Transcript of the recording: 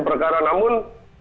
kejadian perkara namun